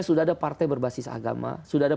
sudah ada partai berbasis agama sudah ada